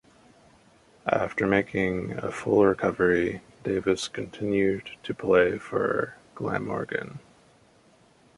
After making a full recovery, Davis continued to play for Glamorgan.